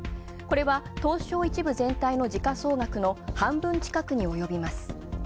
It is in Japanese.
これは、東証１部全体の時価総額の半分近くに及びます。